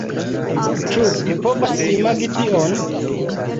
Ĉu vi povas imagi tion?